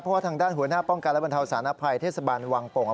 เพราะว่าทางด้านหัวหน้าป้องกันและบรรเทาสารภัยเทศบาลวังโป่ง